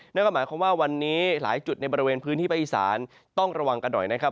นั่นก็หมายความว่าวันนี้หลายจุดในบริเวณพื้นที่ภาคอีสานต้องระวังกันหน่อยนะครับ